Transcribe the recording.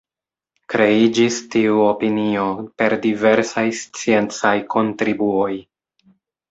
Kreiĝis tiu opinio per diversaj sciencaj kontribuoj.